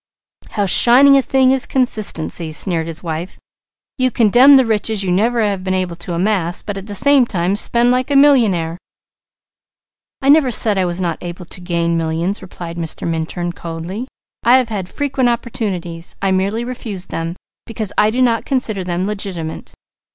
"How shining a thing is consistency!" sneered his wife. "You condemn the riches you never have been able to amass, but at the same time spend like a millionaire." "I never said I was not able to gain millions," replied Mr. Minturn coldly. "I have had frequent opportunities! I merely refused them, because I did not consider them legitimate.